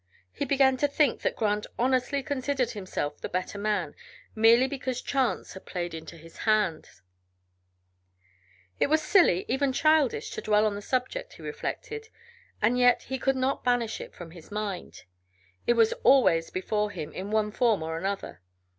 He began to think that Grant honestly considered himself the better man, merely because chance had played into his hands. It was silly, even childish, to dwell on the subject, he reflected, and yet he could not banish it from his mind. It was always before him, in one form or another.